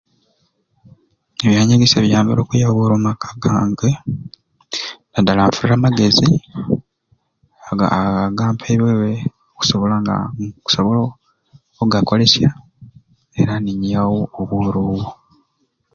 Ebyanyegesya biyambire okwiya obworo omu maka gange nadala nfunire amagezi aga aga mpebeibwe okusobola nga nkusobola ogakolesya era ninjiyawo obworo